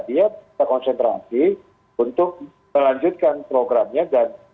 dia terkonsentrasi untuk melanjutkan programnya dan